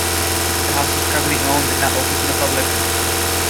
The House is privately owned and not opened to the public.